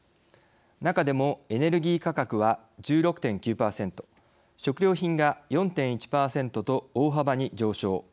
中でもエネルギー価格は１６．９％食料品が４．１％と大幅に上昇。